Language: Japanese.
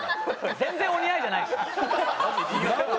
全然お似合いじゃないし。なんて